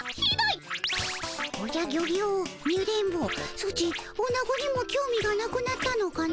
ソチおなごにもきょう味がなくなったのかの？